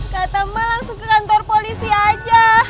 kata mak langsung ke kantor polisi aja